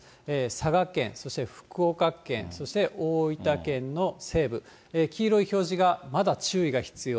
佐賀県、そして福岡県、そして大分県の西部、黄色い表示がまだ注意が必要。